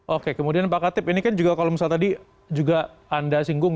oke kemudian pak katip ini kan juga kalau misalnya tadi juga anda singgung